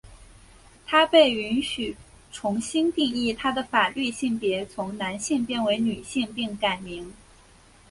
她被允许重新定义她的法律性别从男性变为女性并改名。